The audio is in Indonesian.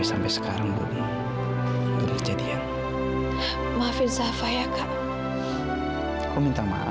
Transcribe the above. sampai jumpa di video selanjutnya